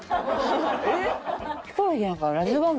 えっ？